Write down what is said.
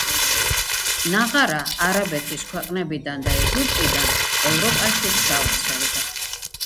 ნაღარა არაბეთის ქვეყნებიდან და ეგვიპტიდან ევროპაშიც გავრცელდა.